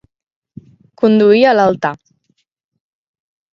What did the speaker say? Conduir a l'altar.